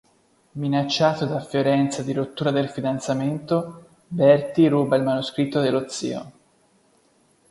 Minacciato da Fiorenza di rottura del fidanzamento, Bertie ruba il manoscritto dello zio.